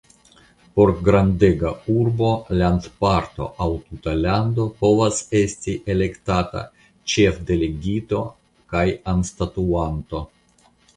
Por grandega urbo, landparto aŭ tuta lando povas esti elektata Ĉefdelegito kaj anstataŭanto.